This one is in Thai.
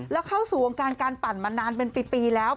แล้วเข้าสู่วงการการปั่นมานานเป็นปีแล้ว